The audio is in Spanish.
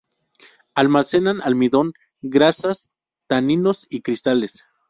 Almacenan almidón, grasas, taninos y cristales.